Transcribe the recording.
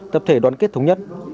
tập thể đoán kết thống nhất